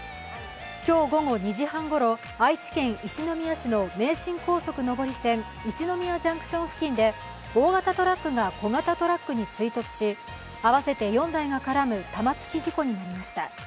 今日午後２時半ごろ、愛知県一宮市の名神高速上り線・一宮ジャンクション付近で大型トラックが小型トラックに追突し合わせて４台が絡む玉突き事故になりました。